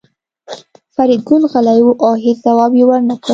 فریدګل غلی و او هېڅ ځواب یې ورنکړ